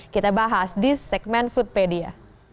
kita bahas di segmen foodpedia